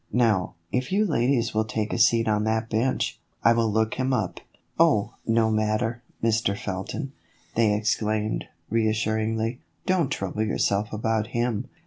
Now, if you ladies will take a seat on that bench, I will look him up." "Oh, no matter, Mr. Felton," they exclaimed, reassuringly, "don't trouble yourself about him."